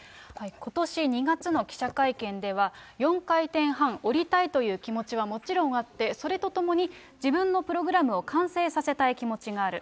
ことし２月の記者会見では、４回転半、下りたいという気持ちはもちろんあって、それとともに自分のプログラムを完成させたい気持ちがある。